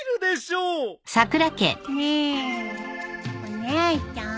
ねえお姉ちゃん。